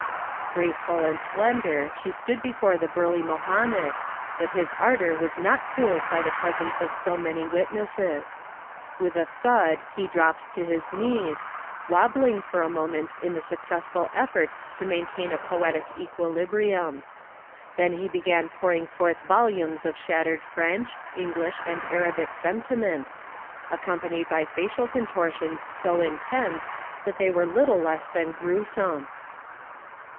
Graceful and slender she stood before the burly Mohammed, but his ardor was not cooled by the presence of so many witnesses. With a thud he dropped to his knees, wabbling for a moment in the successful effort to maintain a poetic equilibrium. Then he began pouring forth volumes of shattered French, English and Arabic sentiment, accompanied by facial contortions so intense that they were little less than gruesome.